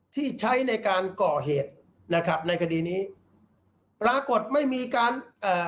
ที่ใช้ในการก่อเหตุนะครับในคดีนี้ปรากฏไม่มีการเอ่อ